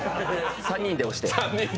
３人で押して。